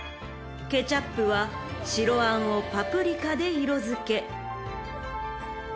［ケチャップは白あんをパプリカで色付け］